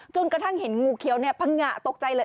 จนกระทั่งเห็นงูเขียวเนี่ยพังงะตกใจเลย